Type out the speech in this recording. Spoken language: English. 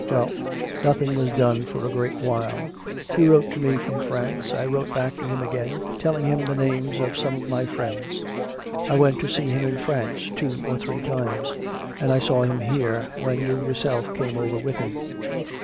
Well; nothing was done for a great while. He wrote to me from France; I wrote back to him again, telling him the names of some of my friends. I went to see him in France two or three times; and I saw him here, when you yourself came over with him.